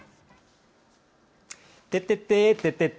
てててててて！